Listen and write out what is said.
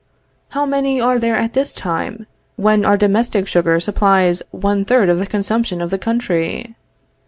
How many are there at this time, when our domestic sugar supplies one third of the consumption of the country?